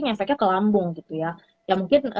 efeknya ke lambung gitu ya ya mungkin